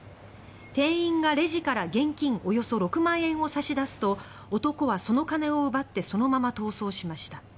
店員がレジから現金およそ６万円を差し出すと男はその金を奪ってそのまま逃走しました。